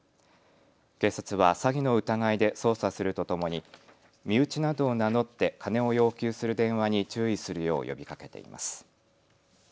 警察は詐欺の疑いで捜査するとともに身内などを名乗って金を要求する電話に注意するよう呼びかけています。